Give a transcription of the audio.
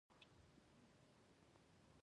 څنګه شو.